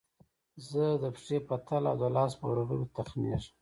زه د پښې په تله او د لاس په ورغوي تخږم